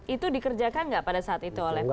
itu dikerjakan nggak pada saat itu oleh pak